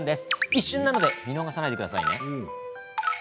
一瞬なので見逃さないでください。